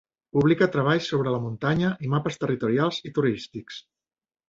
Publica treballs sobre la muntanya i mapes territorials i turístics.